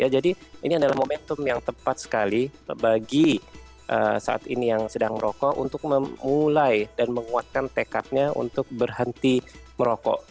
jadi ini adalah momentum yang tepat sekali bagi saat ini yang sedang merokok untuk memulai dan menguatkan tekadnya untuk berhenti merokok